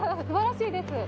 すばらしいです。